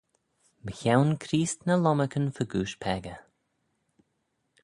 Mychione Creest ny lomarcan fegooish peccah.